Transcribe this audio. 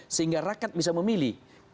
sehingga rakyat bisa memilih